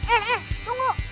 eh eh tunggu